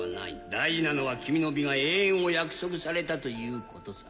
大事なのは君の美が永遠を約束されたということさ。